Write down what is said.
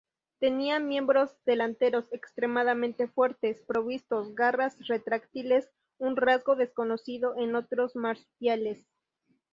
Tenía miembros delanteros extremadamente fuertes, provistos garras retráctiles, un rasgo desconocido en otros marsupiales.